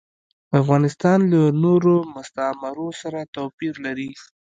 افغانستان له نورو مستعمرو سره توپیر لري.